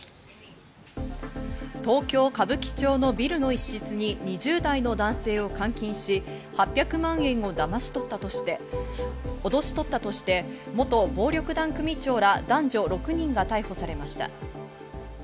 東京・歌舞伎町のビルの一室に２０代の男性を監禁し、８００万円を脅し取ったとして、元暴力団組長ら男女６人が逮捕されました。